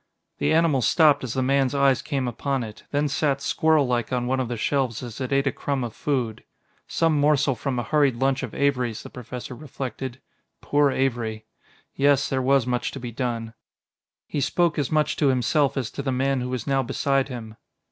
The animal stopped as the man's eyes came upon it; then sat squirrellike on one of the shelves as it ate a crumb of food. Some morsel from a hurried lunch of Avery's, the Professor reflected poor Avery! Yes, there was much to be done. He spoke as much to himself as to the man who was now beside him.